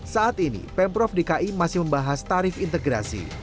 saat ini pemprov dki masih membahas tarif integrasi